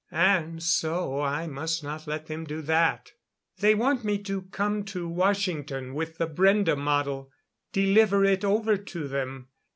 "And so I must not let them do that. They want me to come to Washington with the Brende model deliver it over to them.